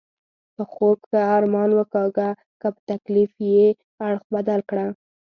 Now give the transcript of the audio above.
په خوب ښه ارمان وکاږه، که په تکلیف یې اړخ بدل کړه.